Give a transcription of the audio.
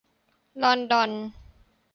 แลนดอน